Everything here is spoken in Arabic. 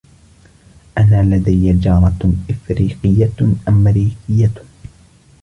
أنا لدي جارة أفريقية-أمريكية.